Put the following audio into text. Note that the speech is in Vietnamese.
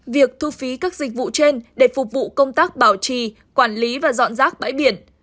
việc thu phí các dịch vụ trên để phục vụ công tác bảo trì quản lý và dọn rác bãi biển